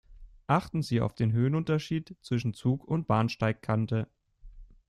Achten Sie auf den Höhenunterschied zwischen Zug und Bahnsteigkante.